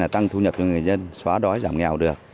tăng thu nhập cho người dân xóa đói giảm nghèo được